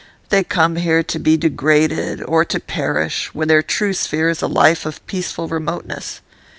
They come here to be degraded, or to perish, when their true sphere is a life of peaceful remoteness.